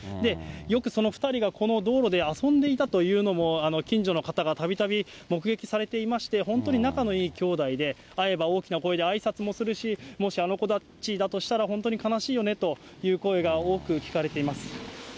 よくその２人がこの道路で遊んでいたというのも近所の方がたびたび目撃されていまして、本当に仲のいい兄弟で、会えば大きな声であいさつもするし、もしあの子たちだったとしたら、本当に悲しいよねという声が多く聞かれています。